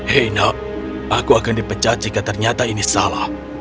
hei nak aku akan dipecat jika ternyata ini salah